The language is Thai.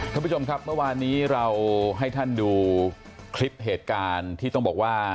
ท่านผู้ชมครับเมื่อวานนี้เราให้ท่านดูคลิปเหตุการณ์ที่ต้องบอกว่า